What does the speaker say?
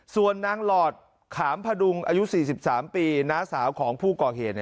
ส่วนนางหลอดขามพดุงอายุ๔๓ปีน้าสาวของผู้ก่อเหตุ